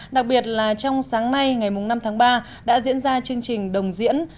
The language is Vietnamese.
đặc biệt là trong sáng nay ngày năm tháng ba đã diễn ra chương trình đồng diễn